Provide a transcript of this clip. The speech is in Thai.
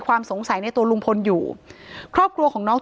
ถ้าใครอยากรู้ว่าลุงพลมีโปรแกรมทำอะไรที่ไหนยังไง